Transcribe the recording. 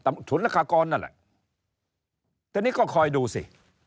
อันนี้ก็คอยดูสิ